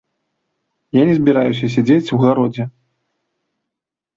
Я не збіраюся сядзець у гародзе.